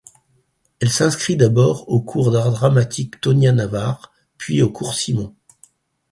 Elle s'inscrit d'abord au cours d'art dramatique Tonia Navar, puis au cours Simon.